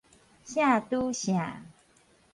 聖拄聖